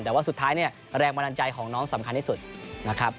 แต่ว่าสุดท้ายเนี่ยแรงบันดาลใจของน้องสำคัญที่สุดนะครับ